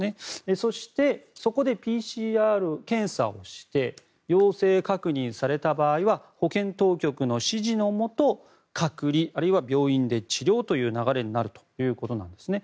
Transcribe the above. そして、そこでＰＣＲ検査をして陽性確認された場合は保健当局の指示のもと隔離、あるいは病院で治療という流れになるということなんですね。